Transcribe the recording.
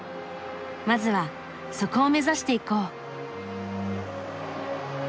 まずはそこを目指していこう。